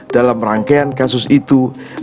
dalam rangkaian kasus itu